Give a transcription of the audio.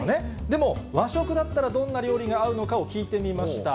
でも、和食だったら、どんな料理が合うのかを聞いてみました。